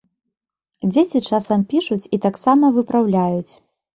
Дзеці часам пішуць і таксама выпраўляюць.